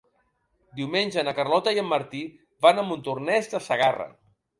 Diumenge na Carlota i en Martí van a Montornès de Segarra.